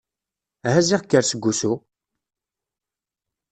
Aha ziɣ kker seg wusu!